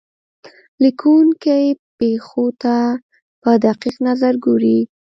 لیکونکی پېښو ته په دقیق نظر ګوري.